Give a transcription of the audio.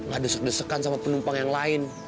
nggak desek desekan sama penumpang yang lain